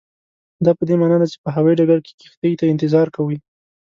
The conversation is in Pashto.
دا پدې معنا ده چې په هوایي ډګر کې کښتۍ ته انتظار کوئ.